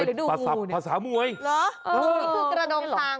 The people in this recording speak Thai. ศาสามวยตรงนี้คือกระดงคางหรอตรงนี้คือกระดงคางหรอ